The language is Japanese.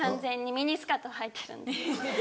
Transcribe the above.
ミニスカートはいてたんで。